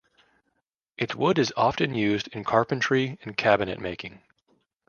Its wood is often used in carpentry and cabinetmaking.